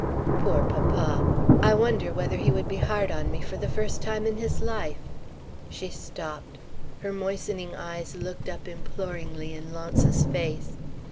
"Poor papa! I wonder whether he would be hard on me for the first time in his life?" She stopped; her moistening eyes looked up imploringly in Launce's face.